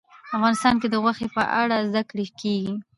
افغانستان کې د غوښې په اړه زده کړه کېږي.